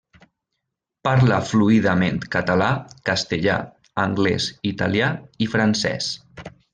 Parla fluidament català, castellà, anglès, italià i francès.